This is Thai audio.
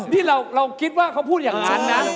นี่เราคิดว่าเขาพูดอย่างนั้นนะ